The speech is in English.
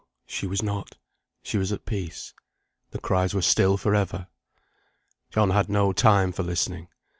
she was not she was at peace. The cries were still for ever. John had no time for listening.